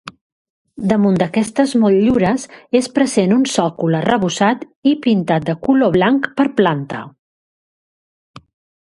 Damunt d'aquestes motllures és present un sòcol arrebossat i pintat de color blanc per planta.